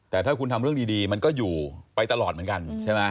แต่ถ้าคุณทำเรื่องดีมันก็อยู่ไปตลอดเหมือนกันใช่ไหม